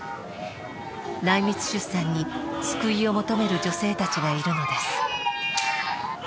内密出産に救いを求める女性たちがいるのです。